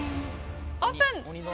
オープン！